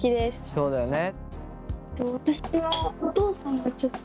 そうだよね。